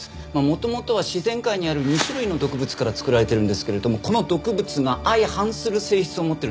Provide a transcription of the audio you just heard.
元々は自然界にある２種類の毒物から作られているんですけれどもこの毒物が相反する性質を持っているんですね。